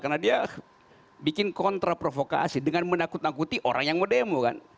karena dia bikin kontra provokasi dengan menakut nakuti orang yang mau demo kan